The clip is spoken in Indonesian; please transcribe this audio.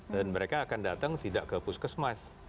dan mereka akan datang tidak ke puskesmas